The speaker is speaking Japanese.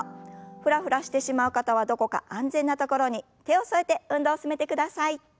フラフラしてしまう方はどこか安全な所に手を添えて運動を進めてください。